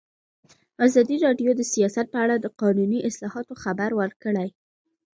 ازادي راډیو د سیاست په اړه د قانوني اصلاحاتو خبر ورکړی.